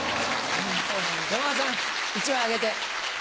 山田さん１枚あげて。